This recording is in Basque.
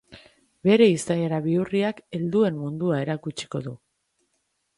Bere izaera bihurriak helduen mundua erakutsiko du.